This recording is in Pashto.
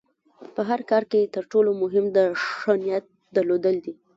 په هر کار کې د تر ټولو مهم د ښۀ نیت درلودل دي.